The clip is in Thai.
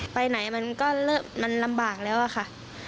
ไปไหนมันก็มันลำบากแล้วอะค่ะ